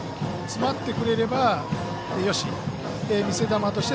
詰まってくれればよし。